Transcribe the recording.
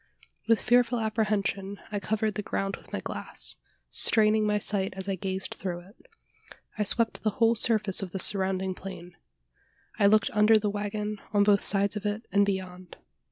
With fearful apprehension, I covered the ground with my glass straining my sight as I gazed through it. I swept the whole surface of the surrounding plain. I looked under the waggon on both sides of it, and beyond.